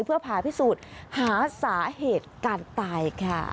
เพื่อผ่าพิสูจน์หาสาเหตุการตายค่ะ